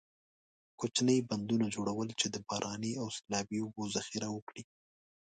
کوچنۍ بندونو جوړول چې د باراني او سیلابي اوبو ذخیره وکړي.